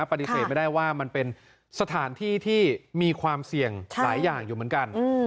ปฏิเสธไม่ได้ว่ามันเป็นสถานที่ที่มีความเสี่ยงหลายอย่างอยู่เหมือนกัน